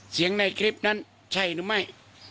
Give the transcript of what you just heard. ในคลิปนั้นใช่หรือไม่